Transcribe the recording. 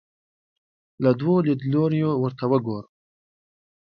له دوو لیدلوریو ورته وګورو